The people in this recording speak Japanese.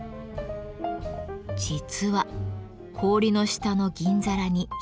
実は氷の下の銀皿に秘密があります。